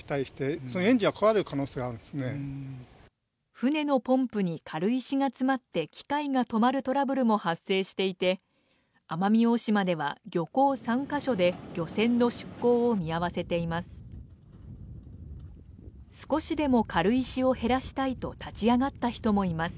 船のポンプに軽石が詰まって機械が止まるトラブルも発生していて、奄美大島では漁港３カ所で漁船の出港を見合わせています。